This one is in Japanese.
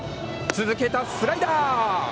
続けた、スライダー！